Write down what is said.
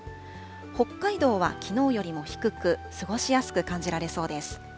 北海道はきのうよりも低く、過ごしやすく感じられそうです。